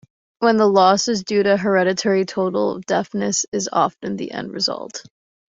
When the loss is due to heredity, total deafness is often the end result.